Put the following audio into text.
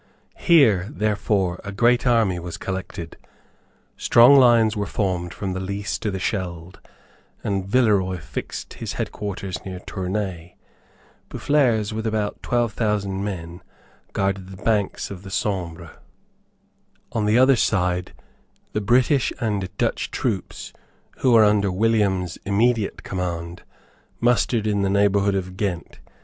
Here, therefore, a great army was collected. Strong lines were formed from the Lys to the Scheld, and Villeroy fixed his headquarters near Tournay. Boufflers, with about twelve thousand men, guarded the banks of the Sambre. On the other side the British and Dutch troops, who were under ` William's immediate command, mustered in the neighbourhood of Ghent.